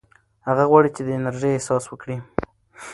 هغه غواړي چې د انرژۍ احساس وکړي.